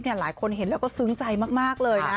เนี่ยหลายคนเห็นแล้วก็ซึ้งใจมากมากเลยนะ